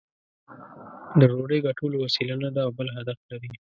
د ډوډۍ ګټلو وسیله نه ده او بل هدف لري.